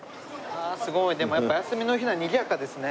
すごいでもやっぱ休みの日はにぎやかですね。